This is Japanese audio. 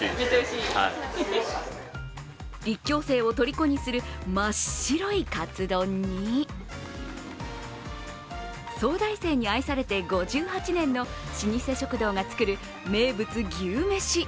立教生をとりこにする真っ白いカツ丼に早大生に愛されて５８年に老舗食堂が作る名物、牛めし。